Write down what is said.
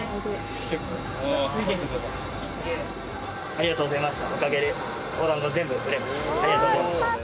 ありがとうございます。